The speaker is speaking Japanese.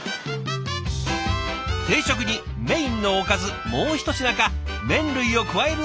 定食にメインのおかずもうひと品か麺類を加えるのが定番。